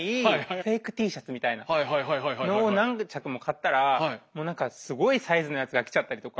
フェイクＴシャツみたいなのを何着も買ったらもう何かすごいサイズのやつが来ちゃったりとか。